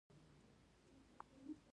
د انسان کار دې توکو ته ارزښت ورکړی دی